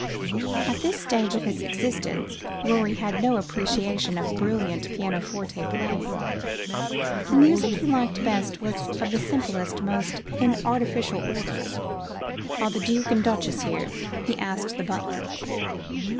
At this stage of his existence, Rorie had no appreciation of brilliant pianoforte playing. The music he liked best was of the simplest, most inartificial order. "Are the Duke and Duchess here?" he asked the butler.